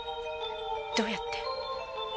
どうやって。